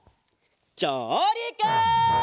じょうりく！